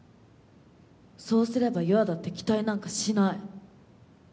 そうすれば優愛だって期待なんかしない。